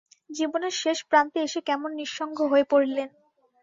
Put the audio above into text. জীবনের শেষ প্রান্তে এসে কেমন নিঃসঙ্গ হয়ে পড়লেন।